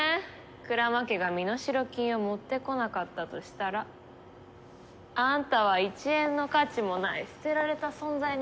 鞍馬家が身代金を持ってこなかったとしたらあんたは１円の価値もない捨てられた存在になるんだから。